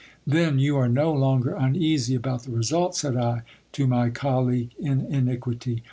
Then you are no longer uneasy about the result, said I to my colleague in iniquity.